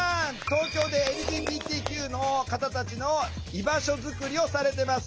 東京でＬＧＢＴＱの方たちの居場所作りをされてます。